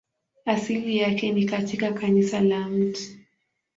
Asili yake ni katika kanisa la Mt.